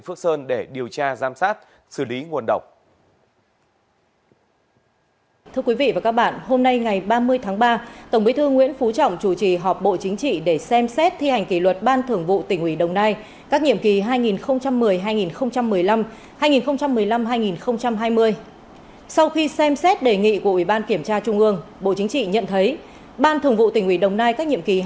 viện phước sơn để điều tra giam sát xử lý nguồn độc